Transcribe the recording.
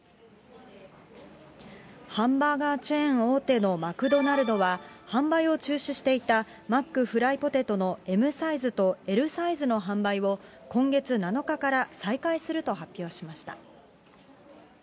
ハンバーガーチェーン大手のマクドナルドは、販売を中止していたマックフライポテトのＭサイズとＬサイズの販売を、今月７日から再開すると発表しました。